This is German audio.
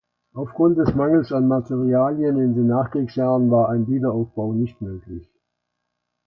Aufgrund des Mangels an Materialien in den Nachkriegsjahren war ein Wiederaufbau nicht möglich.